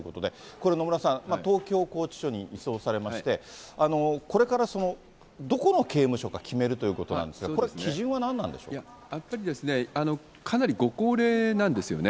これ野村さん、東京拘置所に移送されまして、これからどこの刑務所か決めるということなんですが、これ、やっぱりですね、かなりご高齢なんですよね。